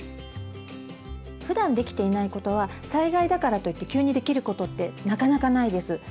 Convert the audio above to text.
ふだんできていないことは災害だからといって急にできることってなかなかないです。